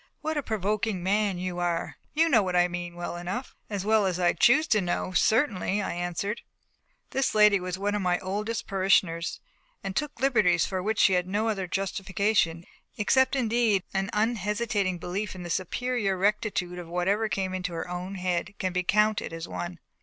"What a provoking man you are! You know what I mean well enough." "As well as I choose to know certainly," I answered. This lady was one of my oldest parishioners, and took liberties for which she had no other justification, except indeed an unhesitating belief in the superior rectitude of whatever came into her own head can be counted as one.